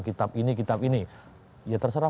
kitab ini kitab ini ya terserah